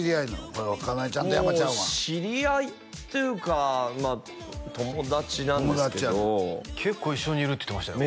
これは金井ちゃんと山ちゃんはもう知り合いというかまあ友達なんですけど結構一緒にいるって言ってましたよ